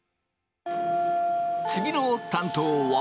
次の担当は。